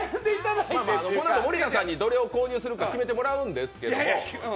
このあと森田さんにどれを購入するか決めてもらうんですけど、